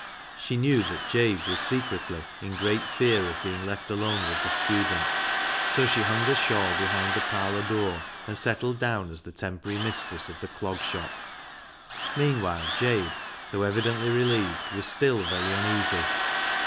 She knew that Jabe was secretly in great fear of being left alone with the student. So she hung her shawl behind the parlour door, and settled down as the temporary mistress of the Clog Shop. Meanwhile Jabe, though evidently relieved, was still very uneasy.